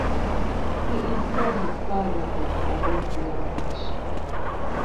He is called the father of the Aruban nation.